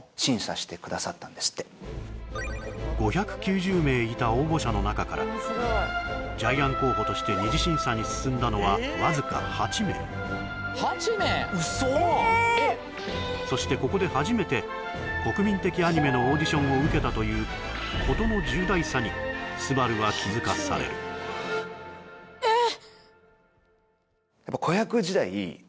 してくださったんですって５９０名いた応募者の中からジャイアン候補として二次審査に進んだのはわずか８名そしてここで初めて国民的アニメのオーディションを受けたという事の重大さに昴は気付かされるえっ！